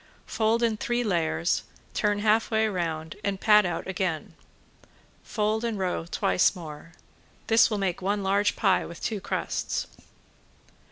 Fold in three layers, turn half way round, and pat out again. Fold and roll twice more. This will make one large pie with two crusts.